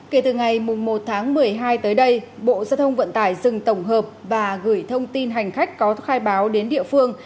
kể từ ngày một tháng một mươi hai tới đây bộ giao thông vận tải dừng tổng hợp và gửi thông tin hành khách có khai báo đến địa phương